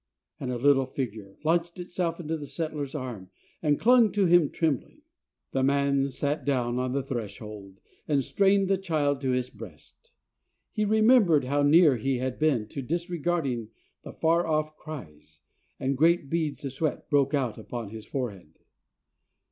And a little figure launched itself into the settler's arms, and clung to him trembling. The man sat down on the threshold and strained the child to his breast. He remembered how near he had been to disregarding the far off cries, and great beads of sweat broke out upon his forehead.